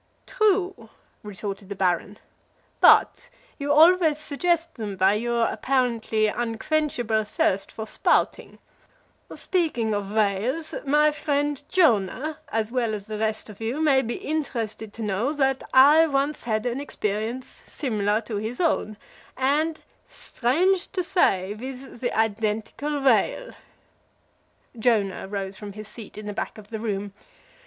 "True," retorted the Baron; "but you always suggest them by your apparently unquenchable thirst for spouting speaking of whales, my friend Jonah, as well as the rest of you, may be interested to know that I once had an experience similar to his own, and, strange to say, with the identical whale." Jonah arose from his seat in the back of the room.